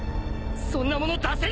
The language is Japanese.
そんなもの出せぬ！